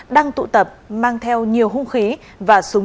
đang tụ tập mang theo nhiều hung khí và súng